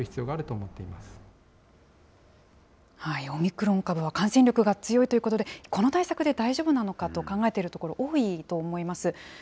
オミクロン株は感染力が強いということで、この対策で大丈夫なのかと考えているところ、多いと思います。